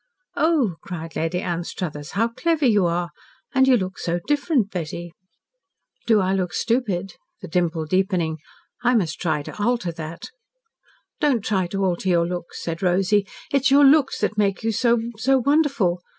"Oh!" cried Lady Anstruthers, "how clever you are! And you look so different, Betty." "Do I look stupid?" the dimple deepening. "I must try to alter that." "Don't try to alter your looks," said Rosy. "It is your looks that make you so so wonderful.